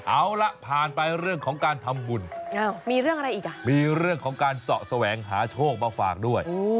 เอาล่ะผ่านไปเรื่องของการทำบุญมีเรื่องอะไรอีกอ่ะมีเรื่องของการเสาะแสวงหาโชคมาฝากด้วย